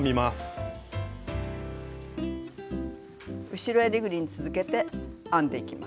後ろえりぐりに続けて編んでいきます。